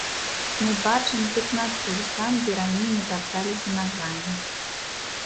Мы бачым пекнату там, дзе раней мы тапталіся нагамі.